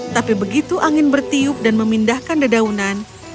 tapi begitu angin bertiup dan memindahkan dedaunan